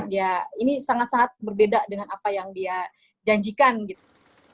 ya ini sangat sangat berbeda dengan apa yang dia janjikan gitu